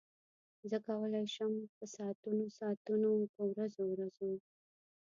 زه کولای شم په ساعتونو ساعتونو په ورځو ورځو.